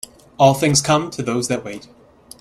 All things come to those that wait.